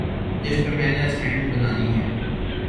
جس پہ میں نے اسائنمنٹ بنانی ہے